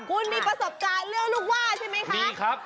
คุณมีประสบการณ์เลือกลูกว่าใช่ไหมคะมีครับ